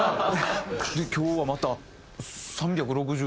今日はまた３６０度。